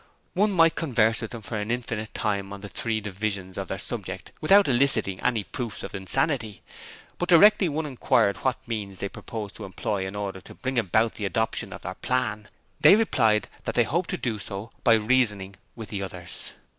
One might converse with them for an indefinite time on the three divisions of their subject without eliciting any proofs of insanity, but directly one inquired what means they proposed to employ in order to bring about the adoption of their plan, they replied that they hoped to do so by reasoning with the others!